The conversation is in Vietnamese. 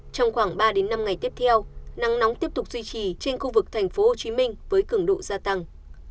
trong khoảng ba đến năm ngày tiếp theo nắng nóng tiếp tục duy trì trên khu vực thành phố hồ chí minh với cứng độ gia tăng